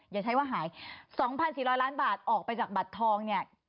อย่าใช้ว่าหาย๒๔๐๐ล้านบาทออกไปจากบัตรทองเนี่ย